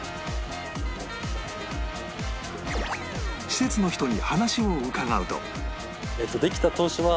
施設の人に話を伺うと